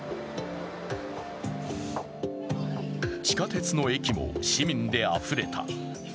地下鉄の駅も市民であふれた。